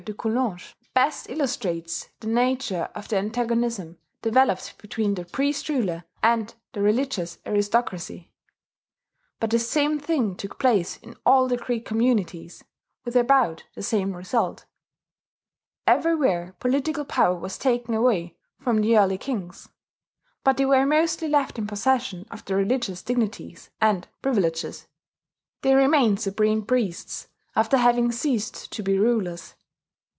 de Coulanges, best illustrates the nature of the antagonism developed between the priest ruler and the religious aristocracy; but the same thing took place in all the Greek communities, with about the same result. Everywhere political power was taken away from the early kings; but they were mostly left in possession of their religious dignities and privileges: they remained supreme priests after having ceased to be rulers.